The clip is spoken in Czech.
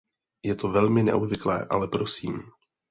Je to velmi neobvyklé, ale prosím.